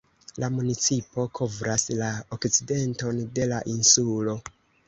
La municipo kovras la okcidenton de la insulo.